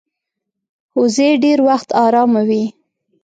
وزې ډېر وخت آرامه وي